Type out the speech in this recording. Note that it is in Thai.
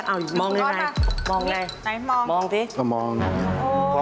เห็นผมเห็น